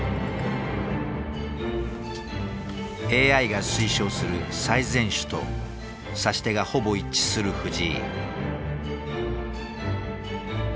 ＡＩが推奨する最善手と指し手がほぼ一致する藤井。